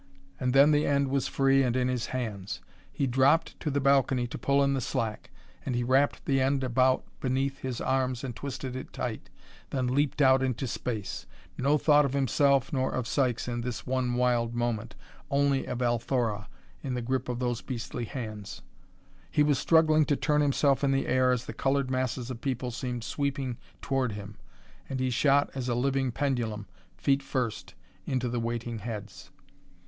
And then the end was free and in his hands. He dropped to the balcony to pull in the slack, and he wrapped the end about beneath his arms and twisted it tight, then leaped out into space. No thought of himself nor of Sykes in this one wild moment, only of Althora in the grip of those beastly hands. He was struggling to turn himself in the air as the colored masses of people seemed sweeping toward him, and he shot as a living pendulum, feet first, into the waiting heads.